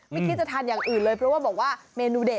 คิดจะทานอย่างอื่นเลยเพราะว่าบอกว่าเมนูเด็ด